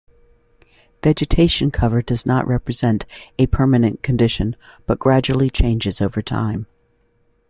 Vegetation cover does not represent a permanent condition but gradually changes over time.